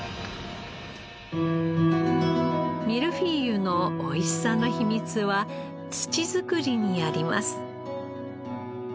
ミルフィーユのおいしさの秘密は土作りにあります。